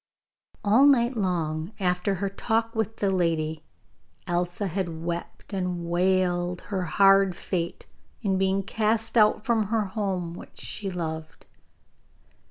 All night long after her talk with the lady Elsa had wept and wailed her hard fate in being cast out from her home which she loved.